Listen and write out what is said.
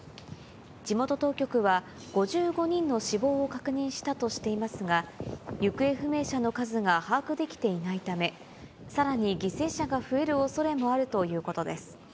地元当局は、５５人の死亡を確認したとしていますが、行方不明者の数が把握できていないため、さらに犠牲者が増えるおそれもあるということです。